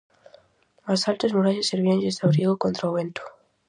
As altas murallas servíanlles de abrigo contra o vento.